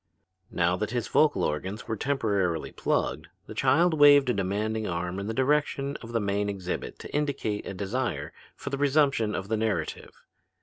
Now that his vocal organs were temporarily plugged, the child waved a demanding arm in the direction of the main exhibit to indicate a desire for the resumption of the narrative.